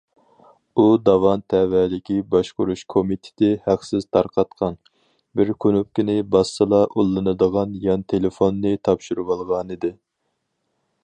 ئۇ داۋان تەۋەلىكىنى باشقۇرۇش كومىتېتى ھەقسىز تارقاتقان‹‹ بىر كۇنۇپكىنى باسسىلا ئۇلىنىدىغان›› يان تېلېفوننى تاپشۇرۇۋالغانىدى.